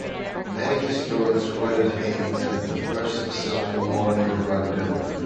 Many historians credit him as the first successful modern drug dealer.